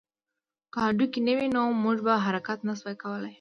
که هډوکي نه وی نو موږ به حرکت نه شوای کولی